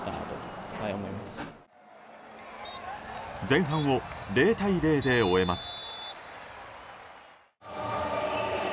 前半を０対０で終えます。